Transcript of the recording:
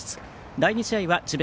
第２試合は智弁